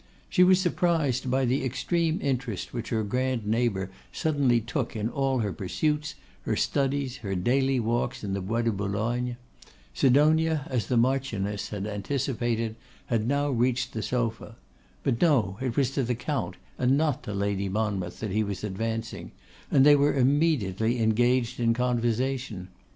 She was surprised by the extreme interest which her grand neighbour suddenly took in all her pursuits, her studies, her daily walks in the Bois de Boulogne. Sidonia, as the Marchioness had anticipated, had now reached the sofa. But no, it was to the Count, and not to Lady Monmouth that he was advancing; and they were immediately engaged in conversation.